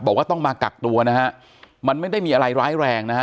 บอกว่าต้องมากักตัวนะฮะมันไม่ได้มีอะไรร้ายแรงนะฮะ